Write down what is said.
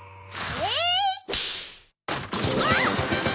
えっ？